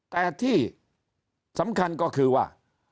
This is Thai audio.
แต่ที่สำคัญก็คือว่า